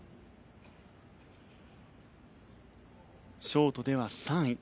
ショートでは３位。